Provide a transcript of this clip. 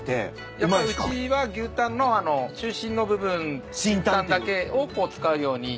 やっぱうちは牛タンの中心の部分芯タンだけを使うようにしてるんで。